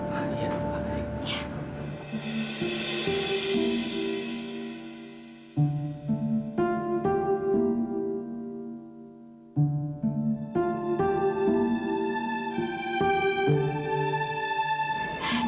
terima kasih dok